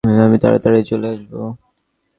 আমি তাড়াতাড়িই চলে আসবো।